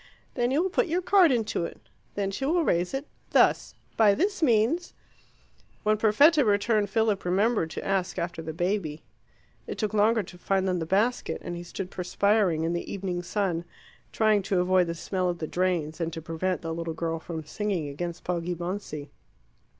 Then you will put your card into it. Then she will raise it thus. By this means " When Perfetta returned, Philip remembered to ask after the baby. It took longer to find than the basket, and he stood perspiring in the evening sun, trying to avoid the smell of the drains and to prevent the little girl from singing against Poggibonsi.